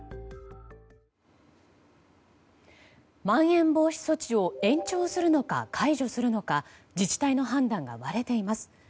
まん延防止措置を延長するのか解除するのか自治体の判断が割れています。